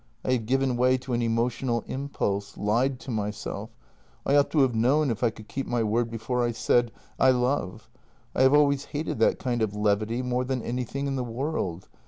I have given way to an emotional impulse — lied to myself; I ought to have known if I could keep my word before I said: I love. I have always hated that kind of levity more than anything in the world.